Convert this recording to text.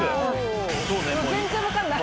全然分かんない。